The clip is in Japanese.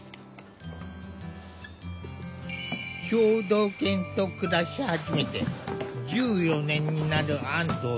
聴導犬と暮らし始めて１４年になる安藤さん。